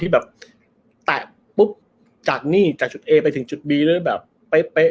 ที่แบบแปรบจากนี่จากจุดเอไปถึงจุดบีด้วยแบบเป๊ะเป๊ะ